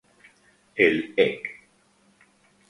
El Ec.